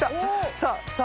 さあさあ